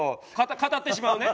「かたってしまう」ね。